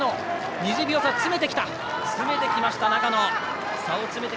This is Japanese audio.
２０秒差と詰めてきました。